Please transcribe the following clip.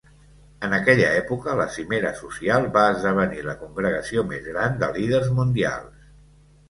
En aquella època, la cimera social va esdevenir la congregació més gran de líders mundials.